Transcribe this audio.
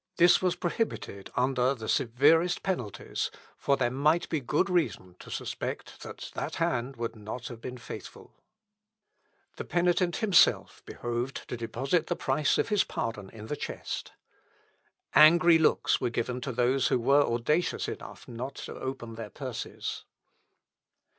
This was prohibited under the severest penalties; for there might be good reason to suspect that that hand would not have been faithful. The penitent himself behoved to deposit the price of his pardon in the chest. Angry looks were given to those who were audacious enough not to open their purses. Ibid., 87, 90, et 91. Luth., Op. Leipz., xvii, 79.